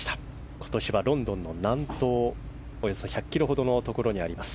今年はロンドンの南東およそ１００ｋｍほどにあります。